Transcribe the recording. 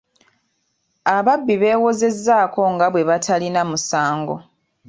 Ababbi beewozezzaako nga bwe batalina musango.